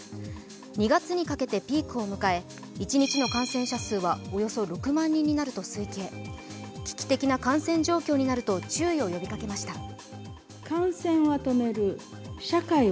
２月にかけてピークを迎え１日の感染者数はおよそ６万人になると推計、危機的な感染状況になると注意を呼びかけました。